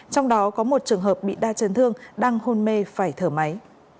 trong đó có một trường hợp bị đa chân thương đang hôn mê phải thở máy